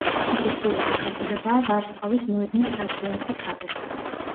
მისი სრული სახელწოდებაა „ვარსკვლავის მოედნის სატრიუმფო თაღი“.